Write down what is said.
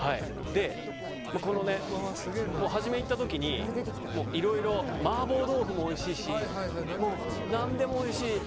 初め、行った時いろいろ、麻婆豆腐もおいしいし何でもおいしい。